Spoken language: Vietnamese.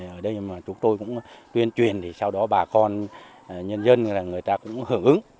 ở đây nhưng mà chúng tôi cũng tuyên truyền thì sau đó bà con nhân dân là người ta cũng hưởng ứng